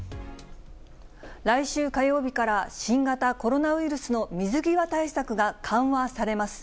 来週火曜日から、新型コロナウイルスの水際対策が緩和されます。